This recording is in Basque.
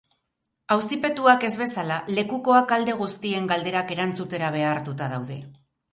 Auzipetuak ez bezala, lekukoak alde guztien galderak erantzutera behartuta daude.